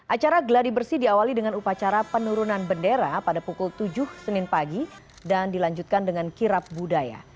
acara gladi bersih diawali dengan upacara penurunan bendera pada pukul tujuh senin pagi dan dilanjutkan dengan kirap budaya